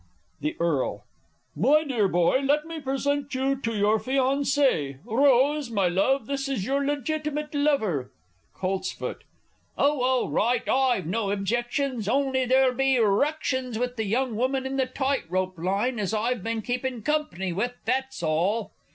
The E. My dear boy, let me present you to your fiancée. Rose, my love, this is your legitimate lover. Colts. Oh, all right, I've no objections on'y there'll be ructions with the young woman in the tight rope line as I've been keepin' comp'ny with that's all!